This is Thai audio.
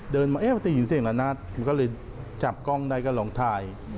เดินมาปกติยินเสียงละนาดมันก็เลยจับกล้องได้ก็ลองทาย